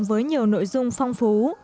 với nhiều nội dung phong phú